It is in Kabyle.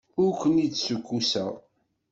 Ur ken-id-ssukkuseɣ.